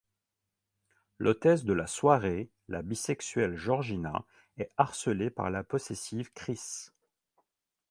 L'hôtesse de la soirée, la bisexuelle Georgina, est harcelé par la possessive Chris.